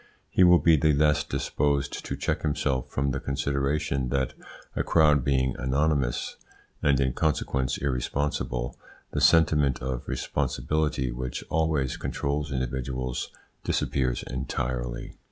He will be the less disposed to check himself from the consideration that, a crowd being anonymous, and in consequence irresponsible, the sentiment of responsibility which always controls individuals disappears entirely.